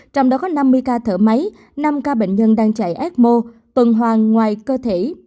trong đó có năm mươi ca thở máy năm ca bệnh nhân đang chạy ecmo tuần hoàng ngoài cơ thể